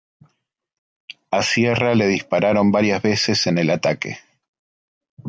A Sierra le dispararon varias veces en el ataque.